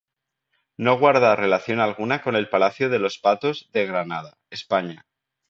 No guarda relación alguna con el "Palacio de los Patos" de Granada, España.